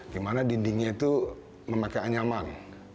di mana dindingnya itu memakai anyaman